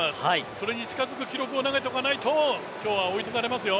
それに近づく記録を投げておかないと今日は置いていかれますよ。